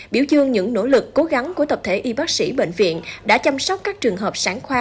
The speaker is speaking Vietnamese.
biểu dương những nỗ lực cố gắng của tập thể y bác sĩ bệnh viện đã chăm sóc các trường hợp sản khoa